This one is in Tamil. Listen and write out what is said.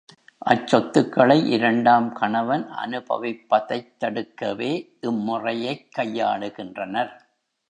அச் சொத்துக்களை இரண்டாம் கணவன் அனுபவிப்பதைத் தடுக்கவே இம் முறையைக் கையாளுகின்றனர்.